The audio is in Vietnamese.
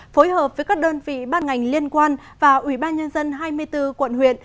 phối hợp với các đơn vị ban ngành liên quan và ủy ban nhân dân hai mươi bốn quận huyện